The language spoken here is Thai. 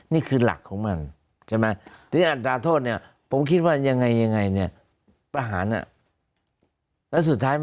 นี่คือหลักของมันใช่ไหม